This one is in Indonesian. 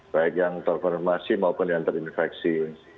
baik yang terkonfirmasi maupun yang terinfeksi